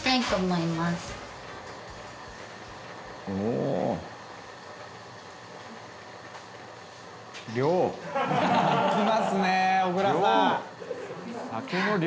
「いきますね小倉さん」「量！